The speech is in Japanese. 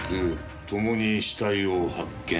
ともに死体を発見。